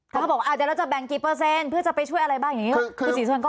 ถ้าเขาบอกว่าเดี๋ยวเราจะแบ่งกี่เปอร์เซ็นต์เพื่อจะไปช่วยอะไรบ้างอย่างนี้